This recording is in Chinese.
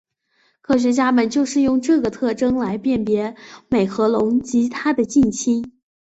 科学家们就是用这个特征来辨别美颌龙及它的近亲。